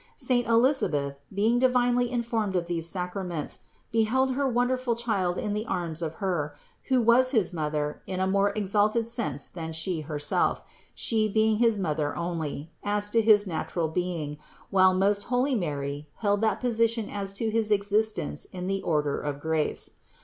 Saint Elisabeth, being divinely informed of these sacraments, beheld her wonderful child in the arms of Her, who was his Mother in a more exalted sense than she herself, she being his mother only, as to his natural being, while most holy Mary held that position as to his existence in the order of grace.